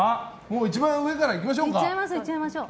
一番上からいきましょうか。